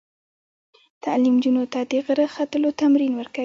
تعلیم نجونو ته د غره ختلو تمرین ورکوي.